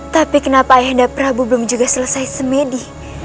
tapi kenapa ayah enda prabu belum selesai semedi